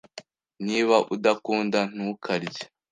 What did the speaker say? Niba udakunda, ntukarye.